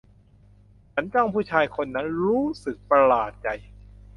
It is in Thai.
ฉันจ้องผู้ชายคนนั้น รู้สึกประหลาดใจ